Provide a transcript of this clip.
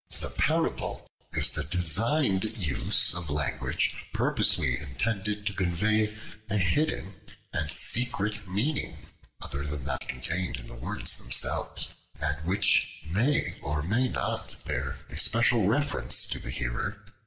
The Parable is the designed use of language purposely intended to convey a hidden and secret meaning other than that contained in the words themselves; and which may or may not bear a special reference to the hearer, or reader.